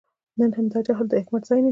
نن همدا جهل د حکمت ځای نیسي.